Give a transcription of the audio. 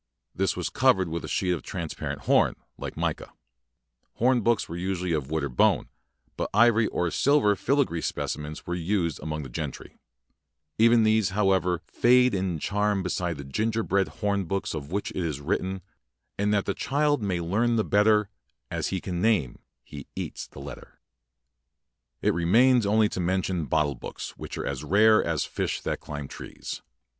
This was covered with a sheet of transparent horn, like mica. Horn books were usually of wood or bone; but ivory or silver filigree specimens were used among the gentry. Even these, however, fade in charm beside the ginger bread horn books of which it was written: It remains only to mention bottle books which srle as rare as fish that climb trees.